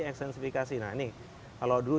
ekstensifikasi nah ini kalau dulu